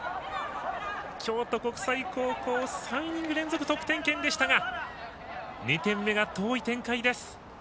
京都国際高校３イニング連続得点圏でしたが２点目が遠い展開です。